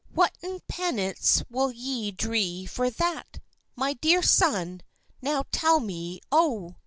Whatten penance will ye dree for that? My dear son, now tell me, O."